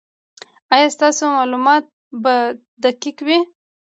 ایا ستاسو معلومات به دقیق وي؟